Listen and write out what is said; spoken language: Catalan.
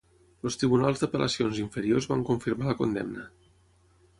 Els tribunals d'apel·lacions inferiors van confirmar la condemna.